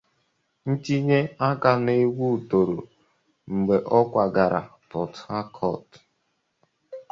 Itinye aka na egwu toro mgbe ọ kwagara Port Harcourt.